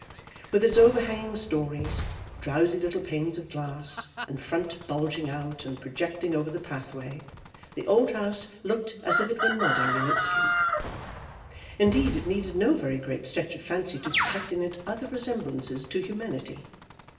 With its overhanging stories, drowsy little panes of glass, and front bulging out and projecting over the pathway, the old house looked as if it were nodding in its sleep. Indeed, it needed no very great stretch of fancy to detect in it other resemblances to humanity.